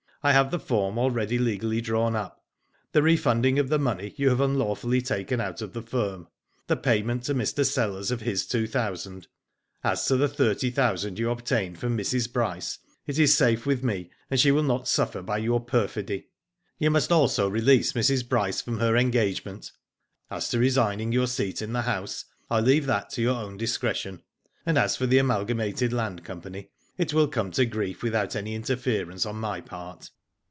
I have the form already legally drawn up. The refunding of the money you have unlawfully taken out of the firm. The payment to Mr. Sellers of his two thousand. As to the thirty thousand you obtained from Mrs. Bryce it is safe with me, and she w^ill not suffer by your perfidy. You must also release Mrs. Bryce from her engagement. As to resigning your seat in the House I leave that to your own discretion, and as for the Amalgamated Land Company, it will come to grief without any interference on my part.